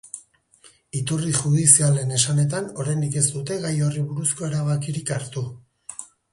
Iturri judizialen esanetan, oraindik ez dute gai horri buruzko erabakirik hartu.